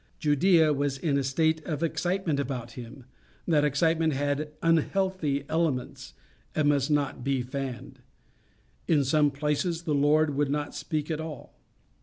Judæa was in a state of excitement about him that excitement had unhealthy elements, and must not be fanned. In some places the Lord would not speak at all.